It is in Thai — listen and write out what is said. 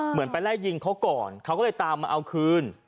เหมือนไปไล่ยิงเขาก่อนเขาก็เลยตามมาเอาคืน